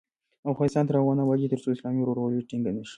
افغانستان تر هغو نه ابادیږي، ترڅو اسلامي ورورولي ټینګه نشي.